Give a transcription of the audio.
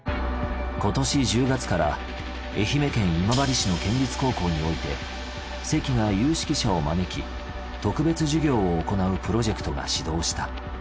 今年１０月から愛媛県今治市の県立高校において関が有識者を招き特別授業を行うプロジェクトが始動した。